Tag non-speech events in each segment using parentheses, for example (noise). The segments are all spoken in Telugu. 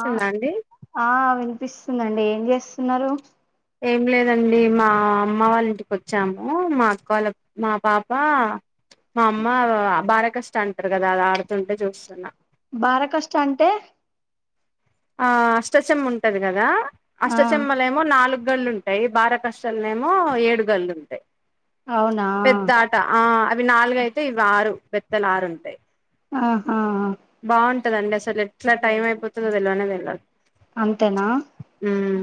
ఆ అండి ఆ వినిపిస్తుందండి ఏం జెస్తున్నారు ఏం లేదండి మా అమ్మ వాళ్ళ ఇంటికోచ్చాము మా అక్క వాళ్ళ మా పాప మా అమ్మ బానే కష్ట టారు కదా అది ఆడుతుంటే చూస్తున్నా బారకష్ట అంటే ఆ అష్టచమ్మ ఉంటది కదా ఆ అష్టచెమ్మలేమో నాలుగు గళ్ళలుంటాయి బారకష్టాల ఏమో ఏడు గళ్లుంటాయి అవునా పెద్ద ఆట ఆ అవి నాలుగయితే ఇవి ఆరు బెత్తల్ ఆరు ఉంటాయి ఆహా బాగుంటదండి అసలు ఎట్లా టైం అయిపోతుందో తెలవదు అంతేనా ఉమ్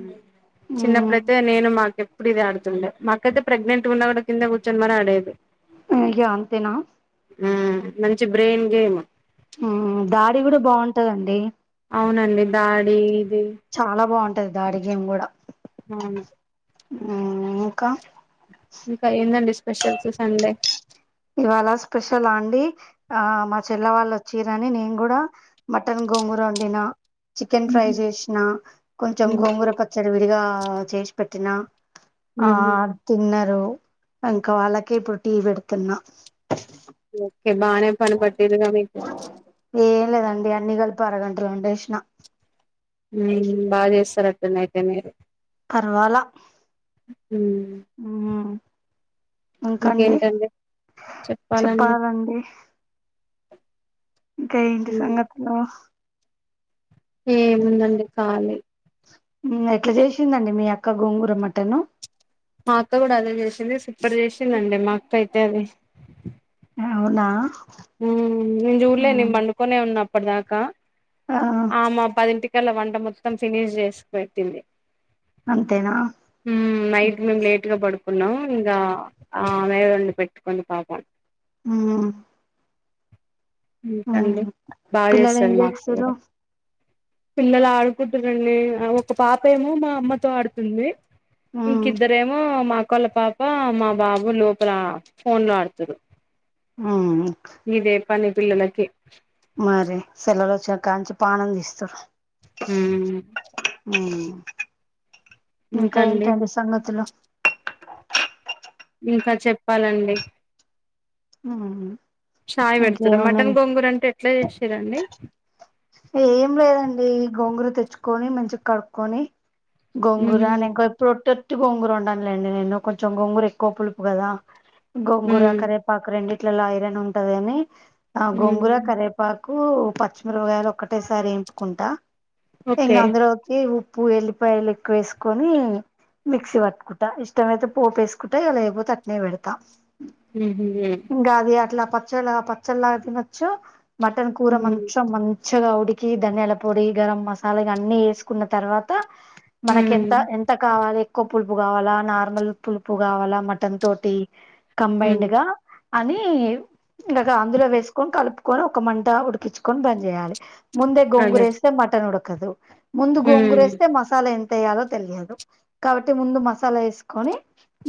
ఉమ్, చిన్నప్పుడైతే నేను మాకెప్పుడు ఇది ఆడుతుండే మాకైతే ప్రెగ్నెంట్ ఉన్న కూడా కింద కూచోని కూడ అడేది ఇగ అంతేనా ఉమ్ మంచి బ్రెయిన్ గేమ్ ఉమ్, దాడి కూడా బాగుంటదండి అవునండి దాడి ఇది చాలా బాగుంటది దాడి గేమ్ కూడా అవును ఉ ఇంకా ఇంకా ఏందండి స్పెషల్స్ సండే ఇవాళ స్పెషల్ అండి ఆ మా చెల్ల వాళ్ళు వచ్చిరని నేను కూడా మటన్ గోంగూర వండిన చికెన్ ఫ్రై చేసిన కొంచెం ఉహు గోంగూర పచ్చడి విడిగా చేసి పెట్టినా ఆ తిన్నారు ఇంకా వాళ్ళకే ఇప్పుడు టీ పెడుతున్నా ఓకే బానే పని పట్టిరుగా మీకు రెండు ఏసిన ఉ బాగా చేస్తారు అయితే నైట్ టే మీరు పర్వాలా ఉ మ్ ఇంకా ఇంకండి ఏంటండీ చెప్పాలండి ఇంకా ఏంటి ఉమ్ సంగతులు ఏముందండి కాలి ఎట్లా చేసిందండి మీ అక్క గోంగూర మటన్ మా అక్క కూడా అదే చేసింది సూపర్ చేసిందిండి మా అక్క అయితే అది అవునా నేను చూడలే నే మ్ పండుకొనే ఉన్నప్పటి దాకా ఆ ఆమా పది ఇంటికిట పొద్దుగాల వంట మొత్తం ఫినిష్ చేసి పెెట్టింది అంతేనా ఉ నైట్ నేను లేట్ గా పడుకు కున్నాము ఆమె వండి పెట్టుకుంది పాపం ఉ ఇంకా అండి బాగా పిల్లలు ఏం చేస్తాది మా అక్క చేస్తుర్రు కూడా పిల్లలు ఆడుకుంటారండి ఒక పాప ఏమో మా అమ్మతో ఆడుతుంది ఇంకా మ్ ఇద్దరేమో మా మా అక్క లా పాప మా బాబు లోపల ఫోన్ లో ఆడుతడు ఆ పని పిల్లలకి మరి సెలవలు వచ్చినా కానుంచి పానం తీస్తూరు ఊ ఇంకా ఏంటండి సంగతులు ఇంకా చెప్పాలండి హు చాయ్ పెడుతురా మటన్ గోంగూర అంటే ఎట్లా చేసిరండి, ఏం లేదండి గోంగుర తెచ్చుకొని మంచిగా కడుక్కొని గోంగూర ఉమ్ ఆనంకాయ పొట్టు. ఉట్టి గోంగూర వండాను లేండి నేను, కొంచెం గోంగూర ఎక్కువ పులుపు గదా, గోంగూర ఉమ్ కరేపాకు రెండిటి. ఇట్లల్లా ఐరన్ ఉంటదిని, ఆ గొంగుర కరేపాకూ పచ్చిమీరపగాయలు. ఒకటేసారి ఎంపుకుంటా ఇంగ ఓకే అందరు వొచ్చి ఉప్. ఉప్పు ఎల్లిపాయలు ఎక్కువ వేసుకోని. మిక్స పట్టుకుంటా ఇష్టమైతే పోపేసుకుంటా, ఇగ లేపోతే అట్నే వెడతా. ఉహు హు. పచ్చళ పచ్చళ్ళ గ తినొచ్చు, మటన్ కూర ఉమ్ మంచం మన్. మంచిగా ఉడికి ధనియాల పొడి, గరం మసాలా, ఇగ అన్నీ ఎసుకున్న తర్వాత. మనకెంత ఎంత కావాలి. ఎక్కో పులుపు గావాలా, నార్మల్ పులుపు గావాలా, మటన్ తోటి ఉమ్ కంబైండ్ గా. అని ఇంకాక అందులో వేసుకొని కలుపుకొని ఒక మంట ఉడికించుకొని బంజెయాలే. ముందే గోంగుర అదే ఎస్తే మటన్ ఉడకదు, ముందు గోంగుర ఉమ్ ఎస్తే మసాలా ఎం. ఎంతఎయాలో తెలియదు, కాబట్టి ముందు మసాలా ఎసుకొని,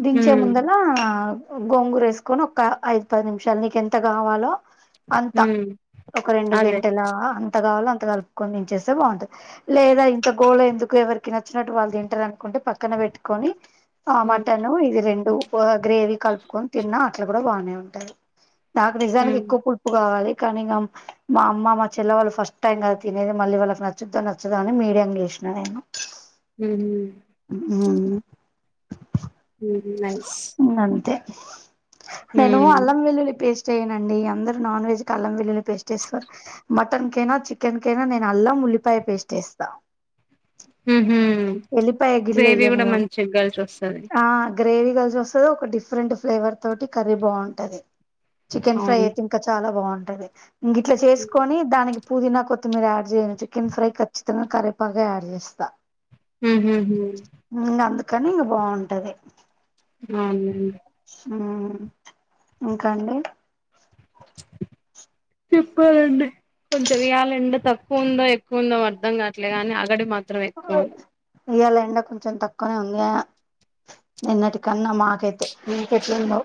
దించే ఉమ్ ముందలా. గోంగుర ఎసుకొని ఒక్క, ఐదు పది నిమిషాలు నీకు ఎంత గావాలో. అంతా ఉమ్ ఒక రెండు అదే గంటల. ఎంత కావాలో అంత కలుపుకొని, దించేస్తే బాగుంటంది, లేదా ఇంత గోళ ఎందుకు. ఎవరికి నచ్చినట్టు వాళ్ళు తింటారు అనుకుంటే, పక్కన పెట్టుకొని, ఆ ఉమ్ మటను ఇది రెండు పొ. గ్రేవీ కలుపుకొని తిన్నా అట్లా కూడా బాగానే ఉంటది, నాకు నిజానికి ఉమ్ ఎక్కువ పులుపు గావాలి. కనీ గం మా అమ్మా మా. చెల్లవాళ్ళు ఫస్ట్ టైం గద తినేది, మళ్ళీ వాళ్ళకి నచ్చుతాదో నచ్చాదో అని మీడియం, జేసినా నేను. ఊమ్. ఊమ్ నైస్. అంతే నేను ఉమ్ అల్లం వెల్లుల్లి పేస్ట్ ఎయ్యానండి, అందరు నాన్ వెజ్ కి అల్లం వెల్లుల్లి. పేస్టు ఎస్తారు మటన్ కేేనా, చికెన్ కేేనా, నేను అల్లం ఉల్లిపాయ పేస్టు, ఎస్తా. ఉహు గిల్లె గ్రేవీ ఎయ్యను కూడా మేము మంచిగ కలిసోస్తది. ఆ గ్రేవీ కలిసి సోస్తది, ఒక డిఫరెంట్ ఫ్లేవర్ తోటి కర్రీ బాగుంటది. చికెన్ ఫ్రై అవును అయితే ఇంకా చాలా బాగుంటది, ఇంక ఇట్లా చేసుకొని దానికి. పుదీనా కొతిమీర యాడ్ చేయను, చికెన్ ఫ్రై ఖచ్చితంగా కరిపాకె, యాడ్ చేస్తా. హు హు ఊమ్. కనీ బాగుంటది. అవును. ఆ ఇంకా అండి. చెప్పాలండి. కొంచెం ఇయ్యాలలెండ తక్కువ ఉందో, ఎక్కువ ఉందో, అర్ధం కావట్లే గాని, అగడు మాత్రం ఎక్కువ ఉంది. ఇయ్యాల ఎండా కొంచెం తక్కువనే ఉందిఅ. నిన్నటి కన్నా మాకైతే మీ కేట్లుందో.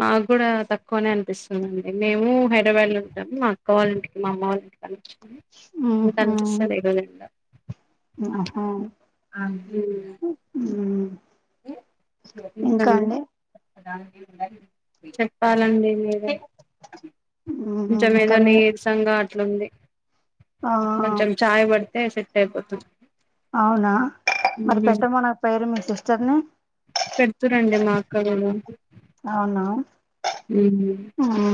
మాకు గుడా తక్కువనే అనిపిస్తుందిండి, మేమూ హైదరాబాద్ లో ఉంటాము, మా అక్క వాళ్ళింటికి, మా అమ్మ వాళ్ళంటి. మ్మ్ హ్మ్ (unintelligible) ఆహా అగ్గు. మ్మ్ ఇంకా అండి చెప్పాలండి. మ్మ్ కొంచం ఇంకా ఎదో మీ నీరసంగా అట్లుంది. ఆ కొంచం చాయ బడతే సెట్ అయిపోతు. అవునా మరి పెట్టమనకపోయారా మీ సిస్టర్ని పెడుతురండి మా అక్కనెమో అవునా ఉ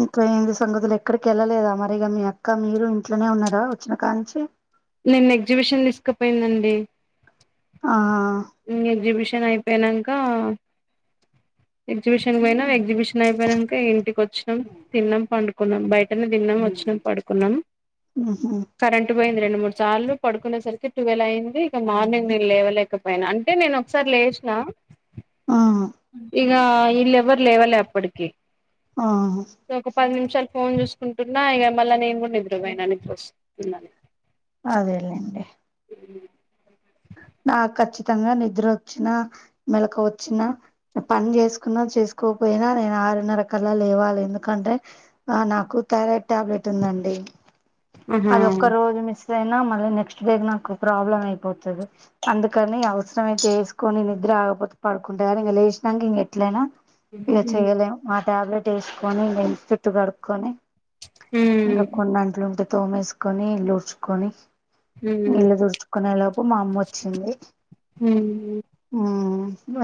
ఇంకా సంగతులు ఎక్కడికి వెళ్ళలేదా మరిగా మీ అక్క మీరు ఇంట్లోనే ఉన్నారా వచ్చిన కా నుంచి నిన్న ఎగ్జిబిషన్ తీసుకపోయిందండి ఆ ఆ ఎగ్జిబిషన్ అయిపోనాక ఎగ్జిబిషన్కి పోయినాం ఎగ్జిబిషన్ అయిపోయినాక ఇంటికి వచ్చాం తిన్నాం పండుకున్నాం బయటనే తిన్నాం వచ్చాం పడుకున్నామం ఉహు పోయింది రెండు మూడు సార్లు పడుకుసరికి టువెల్వ అయింది ఇక మార్నింగ్ నేను లేవె పో అంటే నేను ఒకసారి లేసిన మ్మ్ ఇగా ఈళ్లు ఎవరు లేవాలి అప్పటికి మ్మ్ సో ఒక పది నిమిషాలు ఫోన్ చూసుకుంటు నా ఇక మళ్ళానేను కూడా నిద్ర పోయిన ఫాస్ట్ నన్నని అదేలెండి నాకు కఖచ్చితంగా నిద్ర వచ్చిన మెళక వచ్చిన పని చేసుకున్నా చేసుకో పోయినా నేను ఆరున్నరకాల లేవాలి ఎందుకంటే ఆ నాకు థైరాయిడ్ టాబ్లెట్ ఉందండి ఆహా అది ఒక్క రోజు మిస్ అయినా మళ్ళీ నెక్స్ట్ డే నాకు ప్రాబ్లమ్ అయిపోతుంది అందుకని అవసరమయితే ఏసుకొని నిద్ర ఆకపోతే పడుకుంటారు ఇంక లేచినాక ఇంక ఎట్లయినా ఇగా చేయలేం ఆ టాబ్లెట్ వేసుకొని మేను చుట్టు కడుక్కకొని ఇంకా కొన్ని అంట్లుంటే తోమేసుకొనిల్లుడ్చుకొని ఇళ్ళ తుడుచుకునే లోపు మా అమ్మ వచ్చింది ఉ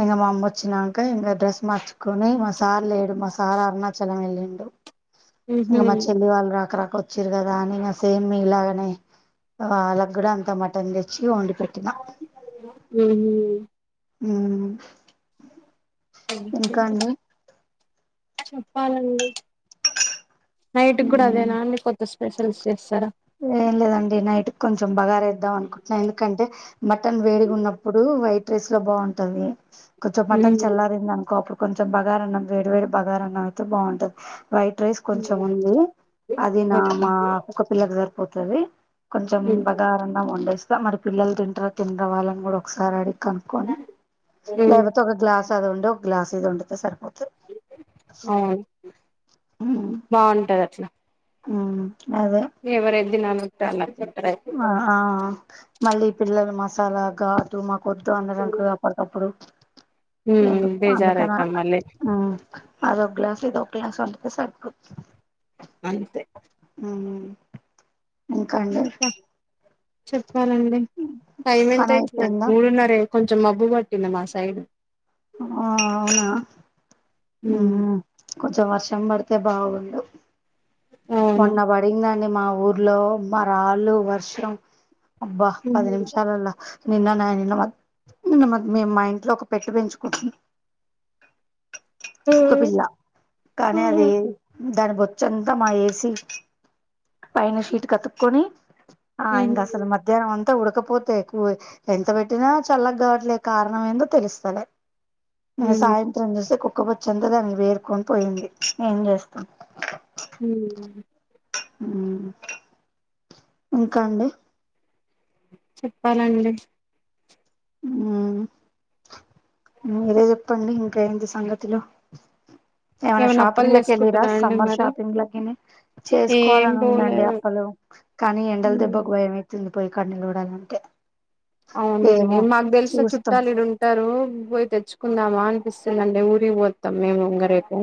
ఇకా మా అమ్మ వచ్చినాక ఇంకా డ్రెస్ మార్చుకొని మా సార్ లేడు మా సార్ అరుణాచలం వెళ్ళిండు ఇంగ మా చెల్లి వాళ్ళు రాక రాక వచ్చిరు కదా అని సేమ్ ఇలాగనే వాళ్ళకు కూడా అంత మటన్ తెచ్చి వండి పెట్టినా ఉహు హు చెప్పాలండి నైట్ కూడా అదే నాన్ కొత్త స్పెషల్స్ చేస్తారా ఏం లేదండి నైట్ కొంచెం బగారేద్దాం అనుకుంటున్నా ఎందుకంటే మటన్ వేడిగా ఉన్నప్పుడు వైట్ రైస్ లో బాగుంటది కొంచెం మటన్ చల్లారింది అనుకో అప్పుడు కొంచెం బగార అన్నం వేడి వేడి బగారా అన్నం అయితే బాగుంటది వైట్ రైస్ కొంచెం ఉంది అది నా ఓకే మా కుక్క పిల్లలకు సరిపోతుంది కొంచెం ఉమ్ బగారఅన్నం వండేస్తా మరి పిల్లలు తింటారు తిన వాళ్ళని కూడా ఒకసారి అడి కనుక్కొని లేకపోతే ఒక గ్లాస్ అది ఉండి ఒక గ్లాస్ ఇది వండితే సరిపోతుంది అవును బాగుంటది అట్లా ఉ ఎవరు దిననుట్ట అల (unintelligible) ఆ ఆ మళ్ళీ పిల్లలు మసాలా గాటు కొద్దు అందరంకో అప్పటికప్పుడు ఉమ్ ఎందు అందుక నా బేజారయితాం మళ్ళీ ఉ అద ఒక గ్లాస్ ఇద ఒక గ్లాస్ వంతే సరిపోతుంది అంతే హూ హమ్ ఇంకా చెప్పాలండి టైం ఎంత పని అయితుందండి అయిపోయిందా మూడున్నర అయితు కొంచెం మబ్బు పట్టింది మా సైడ్ ఆ అవునా ఉం ఉమ్ కొంచెం వర్షం పడితే బాగుండు అవును మొన్న పడిందండి మా ఊర్లో మ రాళ్ళు వర్షం అబ్బా పది ఉమ్ నిమిషాలల్ల నిన్న నా నిన్న మ నిన్న మ మేము మా ఇంట్లో ఒక పెట్టు పెంచుకుంటున్నా కుక్క పిల్ల కానీ అది దాని బొచ్చంతా మా ఏ సి పైన షీట్ కు అతుకొని ఆ ఇంగ అసలు మధ్యాహ్నం అం త ఉడకపోతే ఎంత పెట్టినా చల్లగా కావట్లే కారణం ఏందో తెలుస్తలే ఉమ్ సాయంత్రం చూస్తే కుక్క బొచ్చంత దానికి పేరుకొని పోయింది ఏమ్ చేస్తాం ఉం ఉం ఇంకా అండి చెప్పాలండి ఉం మీరే చెప్పండి ఇంకా ఏంటి సంగతులు ఏమైనా అప్పలు షాపింగ్ లకి వెల్లిరా చేసుకుంటురా అండి సమ్మర్ మరి షాపింగ్ లకి ని ఏం చేసుకోవాలని ఉందండి పోలేదు అప్పలు కానీ ఎండల ఉమ్, దెబ్బకు భయమయితుంది పొయ్యి కాడ నిలబడాలంటే అవునండి మాకు తెలిసిన చుట్టాలు ఇడ ఉంటారు పో తెచ్చుకుందామా అనిపిస్తుందండి ఊరికి పోతాం మేము ఇంగ రేపు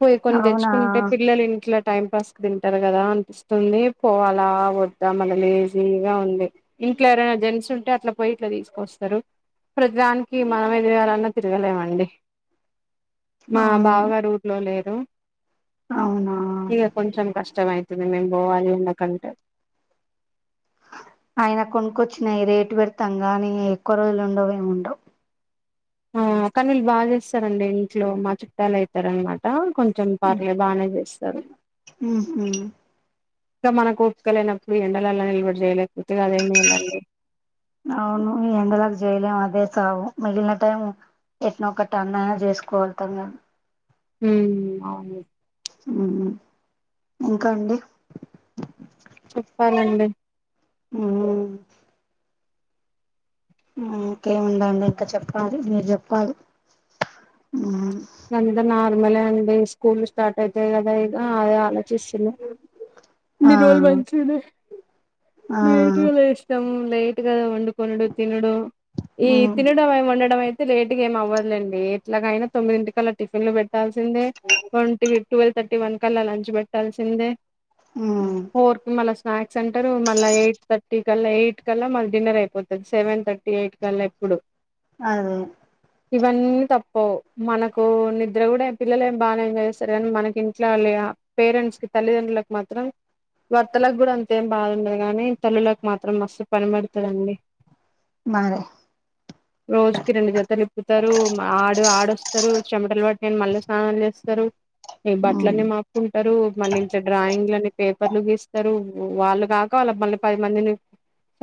పోయి కొన్ని అవునా తెచ్చుకుంటే పిల్లలు ఇంట్లా టైం పాస్ కి తింటారు కదా అనిపిస్తుంది పోవాలా వద్దా మళ్ళా లేజీగా ఉంది ఇంట్లో ఎవరైనా జెంట్స్ ఉంటే ఇట్లా పోయి ఇట్లా తీసుకొస్తారు ప్రతి దానికి మనమే తిరగాలన్నా తిరగలేమండి మా అవును బావగారు ఊర్లో లేరు అవునా ఇగ కొంచెం కష్టమ అయితు మేం పోవాలి ఎండ కంటే అయినా కొనుకొచ్చినయి రేటు పేడతం కానీ ఎక్కువ రోజులుండవు ఏమ్ముండవు ఆ కానీ వీళ్ళు బాగా చేస్తారండి ఇంట్లో మా చుట్టాలు అయితారనమాట కొం చం పర్లే బానే చేస్తారు ఉహు ఇంకా మన కూ ఉర్సుకలేనప్పుడు ఎండలలా నిలబడి చేయలేకపోతేగా అదేమిీళాలి (unintelligible) అవును ఈ ఎండలకి చేయలేము అదే చావు మిగిలిన టైం ఎట్ నో కట్ట అన్నా చేసుకోగళ్తాం కానీ ఉం అవును హూ హమ్ ఇంకా అండి చెప్పాలండి ఉం ఇంకే ముందండి ఇంకా చెప్పాలి మీరు చెప్పాలి అంత నార్మల్ అండి స్కూల్ లు స్టార్ట్ అయితయి కదా ఇగ అదే ఆ చేస్తున్న ఇన్ని ఆ రోజులు మంచిగనే ఆ లేట్ గా లేచినం లేట్ వండుకునుడు తినుడు ఈ ఉమ్ తినడం వండడమై లేట్గా ఏం అవ్వదులేండి ఎట్లాగైనా తొమ్మిది ఇంటికల్ల టిఫిన్లు పెట్టాల్సిందే ఒంటి ట్వెల్వ్ థర్టీ వన్ కల్లా లంచ్ పెట్టాల్సిందే ఉమ్ ఫోర్ కి మళ్ళా స్నాక్స్ అంటారు మళ్ళా ఎయిట్ థర్టీ టీ కల్లా ఎయిట్ కల్లా మ డిన్నర్ అయిపోతుంది సెవెన్ థర్టీ ఎయిట్ కల్లా ఎప్పుడు అదే ఇవన్నీ తప్పవు మనక్ కో నిద్ర కూడా ఏ పిల్లలు బానే ఎంజాయ్ చేస్తారు కానీ మనకి ఇంట్లో పేరెంట్స్కి తల్లిదండ్రులకు మాత్రం రయ్ భర్తలకు కూడా అంతేం బాగుండదు గానీ తల్లులకు మాత్రం మస్తు పని పడుతుందండి మరి రోజుకి రెండు జతలు ఇప్పుతారు ఆడు ఆడొస్ చెమటలు పట్టిని మళ్ళీ స్నానాలు చేస్తారు ఈ ఉమ్ బట్టలన్నీ మాపుకుంటారు మళ్ళీ ఇంట్లో డ్రాయింగ్ అని పేపర్లు గిస్తారు వాళ్ళు కాక వాళ్ళ మళ్ని పది మందిని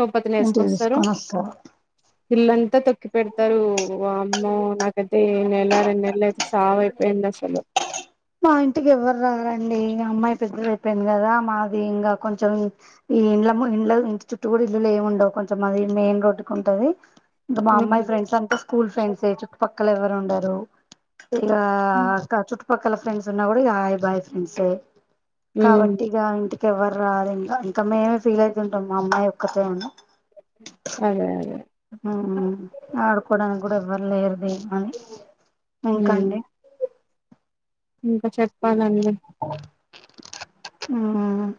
ఓ పదిని ఇంటికి వేసుకొస్తారు తీసుకొని వస్తారు ఇల్లంతా తొక్కి పెడతారు వామ్మో నాకైతే నెల రెండేళ్లు అయిపోయి సావు అపోయిందసలు మా ఇంటికి ఎవ్వరు రారండి అమ్మాయి పెద్దది అయిపోయింది కదా మాది ఇంకా కొంచెం ఈ ఈ ఇంల ఇండ్ల ఇంటి చుట్టూ కూడా ఇల్లులు ఏము ఉండవు కొంచెం మాది మెయిన్ రోడ్ కి ఉంటది ఇంకా మా ఆహా అమ్మాయి ఫ్రెండ్స్ అంత స్కూల్ ఫ్రెండ్సే చుట్టుపక్కల ఎవరు ఉండరు ఇక ఆక చుట్టుపక్కల ఫ్రెండ్స్ ఉన్నా కూడా హాయ్ బాయ్ ఫ్రెండ్సే ఉమ్ కాబట్టి ఇక ఇంటికి ఎవ్వరు రారు ఇంకా ఇంకా మేమే ఫీల్ అవుతుంటాం మా అమ్మాయి ఒక్కతే అని అదే అదే ఉమ్ ఆడుకోడనికి కూడా ఎవరు లేరు తీ అని ఉమ్ ఇంకండి ఇంకా చెప్పాలండి ఉమ్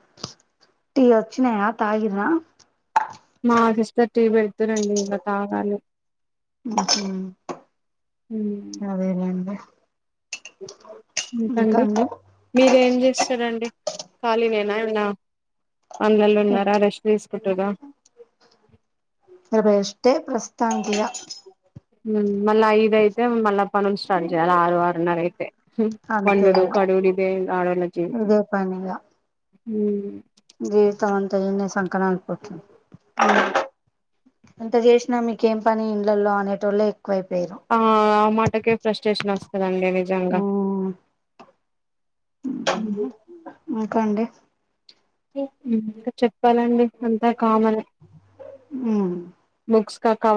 టీ వచ్చినయా తాగిన్ర మా సిస్టర్ టీ పెడుతురండి ఇంకా తాగాలి ఉహ్మ్ హ్మ్. అదే లెండి ఇంకండి మీరు ఏం చేస్తున్రు అండి ఖాళీనేన్న ఇంక పంలల్లో ఉన్నారా రెష్ట్ తీసుకుంటుట్ర ఆ రెస్ట్ ఏ ప్రస్తు ఉమ్ మళ్ళా ఐదయితే మళ్ళా పనులు స్టార్ట్ చేయాల ఆరు ఆరున్నర అయిత్ ఉహ్మ్ అంతే వండుడు ఇగ కడుగుడు ఇదే ఆడోళ్ళ జీవితం ఇదే జీవితమంత ఇడ్నే సంకా నాకి పోతుంది ఉమ్ అంత చేసినా మీకేం పని ఇండ్లలో అనేటోలే ఆ ఆ మాటకే ఫ్రస్ట్రేషన్ వస్తుందండి నిజంగా ఉమ్ ఆ కండి ఉమ్ ఇకా చెప్పాలండి అంతా కామన్ ఏ ఉమ్ బుక్స్ కా కా